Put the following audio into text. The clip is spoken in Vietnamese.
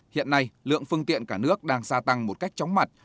hiện nay lượng phương tiện cả nước đang gia tăng một cách chóng mặt